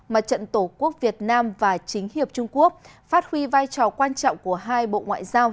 mặt trận tổ quốc việt nam và chính hiệp trung quốc phát huy vai trò quan trọng của hai bộ ngoại giao